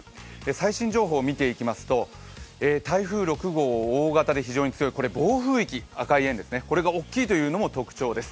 最新情報を見ていきますと台風６号、大型で非常に強い、暴風域、赤い円、これが大きいというのも特徴です。